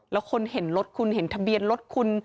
แล้วคนเห็นรถคุณเห็นทะเบียนรถคุณ